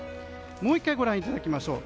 もう１回ご覧いただきましょう。